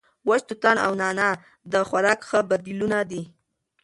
وچ توتان او نعناع د خوراک ښه بدیلونه دي.